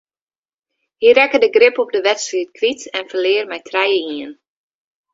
Hy rekke de grip op de wedstryd kwyt en ferlear mei trije ien.